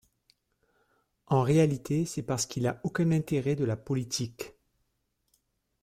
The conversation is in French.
En réalité, c'est parce qu'il a aucun intérêt de la politique.